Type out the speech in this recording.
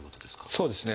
そうですね。